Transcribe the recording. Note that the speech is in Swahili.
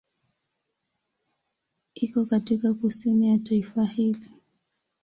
Iko katika kusini ya taifa hili.